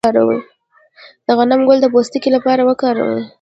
د غنم ګل د پوستکي لپاره وکاروئ